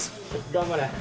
頑張れ！